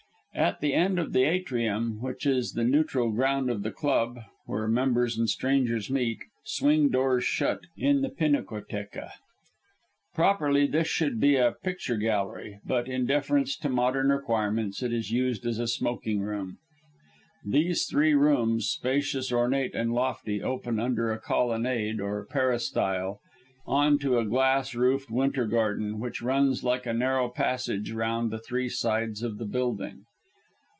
At the end of the atrium, which is the neutral ground of the club, where members and strangers meet, swing doors shut in the pinacotheca. Properly this should be a picture gallery, but, in deference to modern requirements, it is used as a smoking room. These three rooms, spacious, ornate, and lofty, open under a colonnade, or peristyle, on to a glass roofed winter garden, which runs like a narrow passage round the three sides of the building.